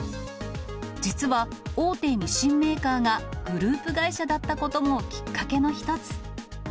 実は大手ミシンメーカーがグループ会社だったこともきっかけの一つ。